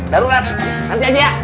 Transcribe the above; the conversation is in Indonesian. darurat nanti aja